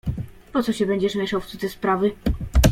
"Po co się będziesz mieszał w cudze sprawy?"